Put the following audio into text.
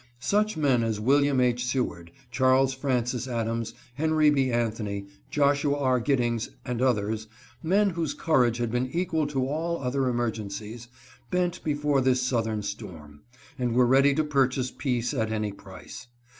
Such men as William H. Seward, Charles Francis Adams, Henry B. Anthony, Joshua R. Giddings, and others — men whose courage had been equal to all other emergencies — bent before this southern storm, and were ready to purchase peace at any price.